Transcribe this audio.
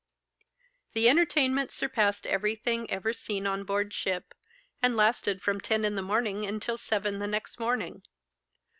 The entertainment surpassed everything ever seen on board ship, and lasted from ten in the morning until seven the next morning.